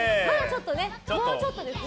もうちょっとですね。